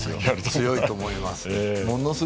強いと思います。